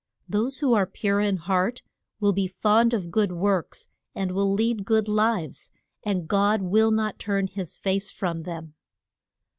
Those who are pure in heart will be fond of good works, and will lead good lives, and God will not turn his face from them.